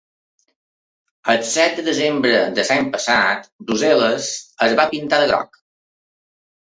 El set de desembre de l’any passat, Brussel·les es va pintar de groc.